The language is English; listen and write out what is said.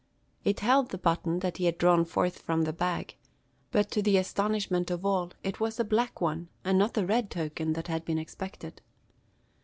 It held the button that he had drawn forth from the bag; but, to the astonishment of all, it was a black one, and not the red token that had been expected!